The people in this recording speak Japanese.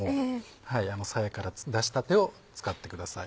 さやから出したてを使ってください。